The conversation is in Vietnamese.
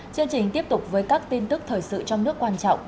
chương trình tiếp tục với các tin tức thời sự trong nước quan trọng